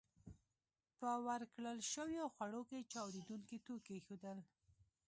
په ورکړل شويو خوړو کې چاودېدونکي توکي ایښودل